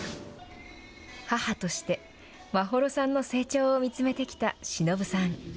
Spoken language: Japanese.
母として眞秀さんの成長を見つめてきたしのぶさん。